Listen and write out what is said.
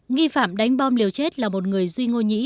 nghi phạm đánh bom liều chết là một người duy ngô nhị